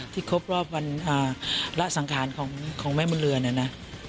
ครบรอบวันละสังขารของแม่บุญเรือนเนี่ยนะ